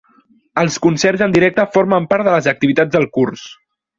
Els concerts en directe formen part de les activitats del curs.